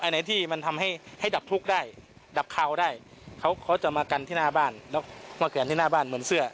ไหนที่มันทำให้ให้ดับทุกข์ได้ดับคาวได้เขาเขาจะมากันที่หน้าบ้านแล้วมาแขวนที่หน้าบ้านเหมือนเสื้อ